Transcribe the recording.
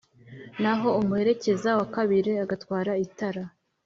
naho umuherekeza wa kabiri agatwara itara